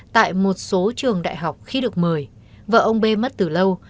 tại một số trường đại học khi được mời vợ ông bê mất từ lâu